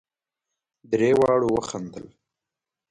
درې واړو وخندل.